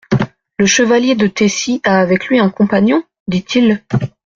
Le chevalier de Tessy a avec lui un compagnon ? dit-il.